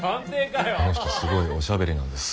あの人すごいおしゃべりなんです。